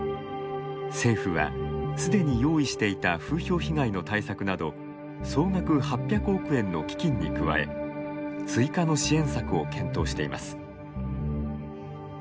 政府は、すでに用意していた風評被害の対策など総額８００億円の基金に加え追加の支援策を検討しています。